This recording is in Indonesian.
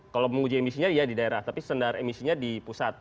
kalau menguji emisinya ya di daerah tapi standar emisinya di pusat